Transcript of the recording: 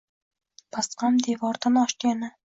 Pastqam devordan oshdi yana